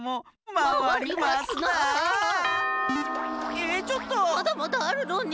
まだまだあるのに。